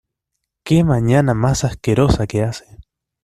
¡Qué mañana más asquerosa que hace!